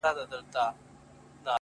ستا غمونه ستا دردونه زما بدن خوري ;